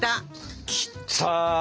きた！